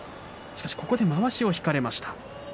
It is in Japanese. しかし、ここでまわしを引かれました。